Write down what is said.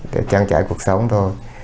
để trang trải cuộc sống thôi